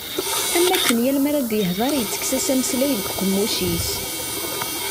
Am wakken yal mi ara d-yehder yettekkes-as ameslay deg uqemmuc-is.